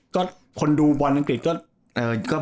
ก็คนดูบอลอังกฤษก็